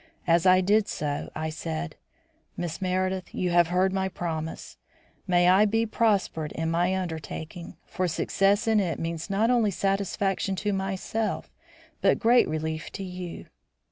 As I did so, I said: "Miss Meredith, you have heard my promise. May I be prospered in my undertaking, for success in it means not only satisfaction to myself but great relief to you.